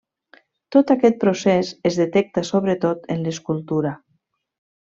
Tot aquest procés es detecta sobretot en l'escultura.